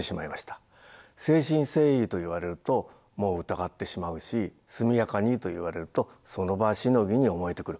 「誠心誠意」と言われるともう疑ってしまうし「速やかに」と言われるとその場しのぎに思えてくる。